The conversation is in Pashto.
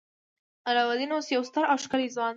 علاوالدین اوس یو ستر او ښکلی ځوان و.